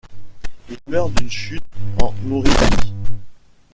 Il meurt d'une chute en Mauritanie.